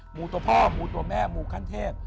หมูตัวพ่อหมูตัวแม่มูขั้นเทพ